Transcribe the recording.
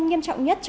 gồm hai yếu tố